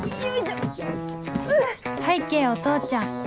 拝啓お父ちゃん